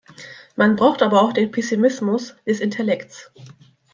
Man braucht aber auch den Pessimismus des Intellekts.